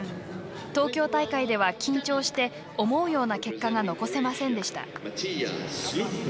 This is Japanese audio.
東京大会では、緊張して思うような結果が残せませんでした。